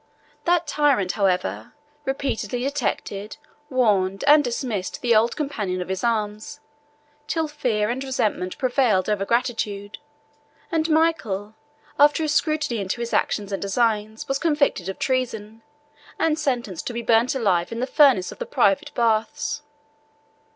That tyrant, however, repeatedly detected, warned, and dismissed the old companion of his arms, till fear and resentment prevailed over gratitude; and Michael, after a scrutiny into his actions and designs, was convicted of treason, and sentenced to be burnt alive in the furnace of the private baths.